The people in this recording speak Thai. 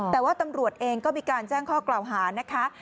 แต่ว่าตำรวจเองก็มีการแจ้งข้อกล่าวหานะคะ